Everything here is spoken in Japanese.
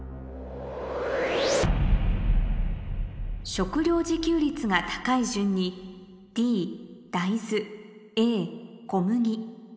食料自給率が高い順にＤ大豆Ａ小麦